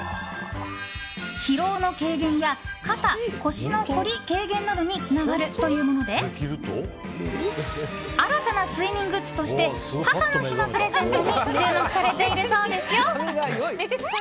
疲労の軽減や肩、腰の凝り軽減などにつながるというもので新たな睡眠グッズとして母の日のプレゼントに注目されているそうですよ。